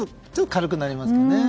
軽くなりますよね。